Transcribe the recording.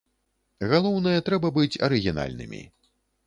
Галоўнае, трэба быць арыгінальнымі.